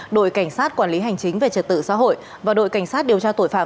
đội cảnh sát quản lý hành chính về trật tự xã hội và đội cảnh sát điều tra tội phạm